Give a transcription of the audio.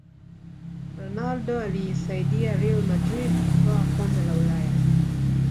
ronaldo aliisaidia real madrid kutwaa kombe la ulaya